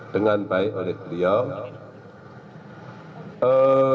dengan baik oleh beliau